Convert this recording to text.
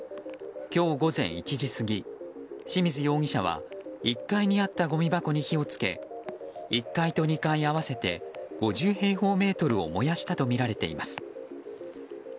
今日午前１時過ぎ、清水容疑者は１階にあったごみ箱に火を付け１階と２階合わせて５０平方メートルを燃やしたとみられています。